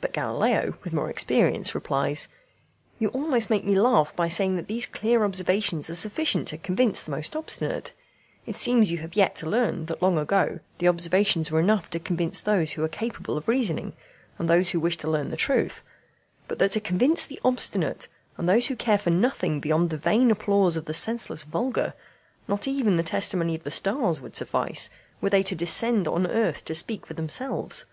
But Galileo, with more experience, replies: "You almost make me laugh by saying that these clear observations are sufficient to convince the most obstinate; it seems you have yet to learn that long ago the observations were enough to convince those who are capable of reasoning, and those who wish to learn the truth; but that to convince the obstinate, and those who care for nothing beyond the vain applause of the senseless vulgar, not even the testimony of the stars would suffice, were they to descend on earth to speak for themselves.